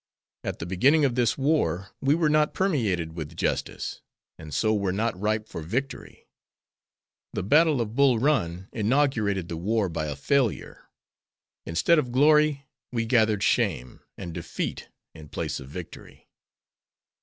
At the beginning of this war we were not permeated with justice, and so were not ripe for victory. The battle of Bull Run inaugurated the war by a failure. Instead of glory we gathered shame, and defeat in place of victory."